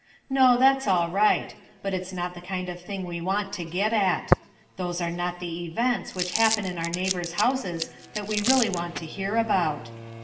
No, that's all right, but it's not the kind of thing we want to get at; those are not the events which happen in our neighbours' houses that we really want to hear about.